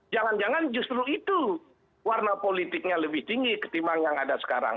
jangan jangan justru itu warna politiknya lebih tinggi ketimbang yang ada sekarang